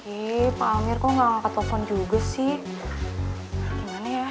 iih pak amir kok gak ngangkat telepon juga sih gimana ya